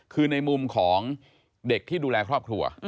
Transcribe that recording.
คือในมุมของเด็กที่ดูแลครอบครัว